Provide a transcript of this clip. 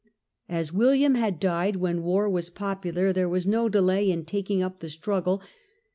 As William had died when war was popular there was no delay in taking up the struggle.